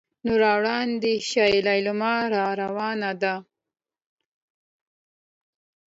نو را وړاندې دې شي لیلام روان دی.